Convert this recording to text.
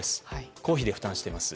公費で負担しています。